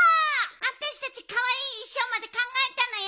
あたしたちかわいいいしょうまでかんがえたのよ。